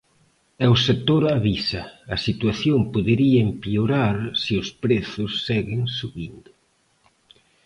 E o sector avisa: A situación podería empeorar se os prezos seguen subindo...